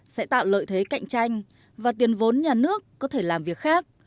sẽ tạo lợi thế cạnh tranh và tiền vốn nhà nước có thể làm việc khác